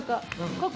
ここ！